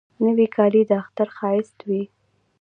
نوې کالی د اختر ښایست وي